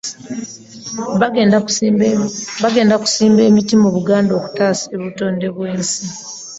Bagenda kusimba emiti mu Buganda okutaasa obutonde bw'ensi